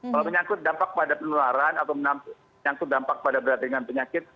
kalau menyangkut dampak pada penularan atau menyangkut dampak pada berat ringan penyakit